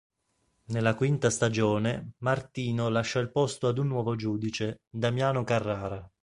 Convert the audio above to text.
Nella quinta stagione, Martino lascia il posto ad un nuovo giudice, Damiano Carrara.